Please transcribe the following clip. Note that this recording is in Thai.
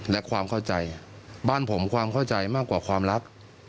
และความเข้าใจบ้านผมความเข้าใจมากกว่าความรัก